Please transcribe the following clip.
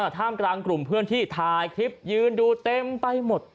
ท่ามกลางกลุ่มเพื่อนที่ถ่ายคลิปยืนดูเต็มไปหมด